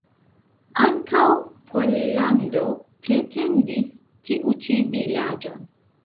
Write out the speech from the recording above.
Ankaŭ Pollando pretendis tiu ĉi vilaĝon.